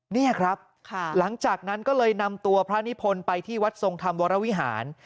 นี่ครับหลังจากนั้นก็เลยนำตัวพระนิพนธ์ไปที่วัดทรงธรรมวรวิหาร